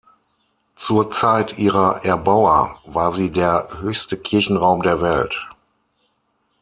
Zur Zeit ihrer Erbauer war sie der höchste Kirchenraum der Welt.